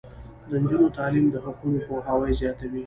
د نجونو تعلیم د حقونو پوهاوی زیاتوي.